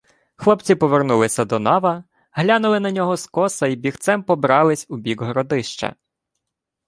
Хлопці повернулися до нава, глянули на нього скоса й бігцем побрались у бік Городища.